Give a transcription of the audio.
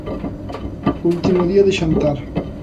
Último día de Xantar.